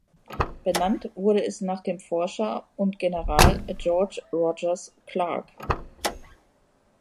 Benannt wurde es nach dem Forscher und General George Rogers Clark.